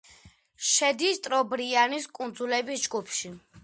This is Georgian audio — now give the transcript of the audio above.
შედის ტრობრიანის კუნძულების ჯგუფში.